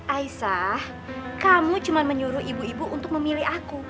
aisah kamu cuma menyuruh ibu ibu untuk memilih aku